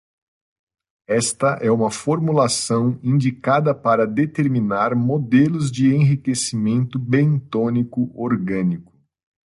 Esta é uma formulação indicada para determinar modelos de enriquecimento bentônico orgânico.